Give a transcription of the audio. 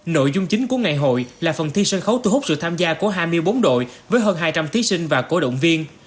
nội dung chính của ngày hội là phần thi sân khấu thu hút sự tham gia của hai mươi bốn đội với hơn hai trăm linh thí sinh và cổ động viên